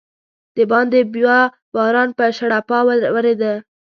دباندې بیا باران په شړپا ورېده.